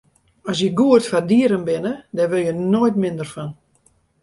As je goed foar dieren binne, dêr wurde je noait minder fan.